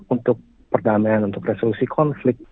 untuk perdamaian untuk resolusi konflik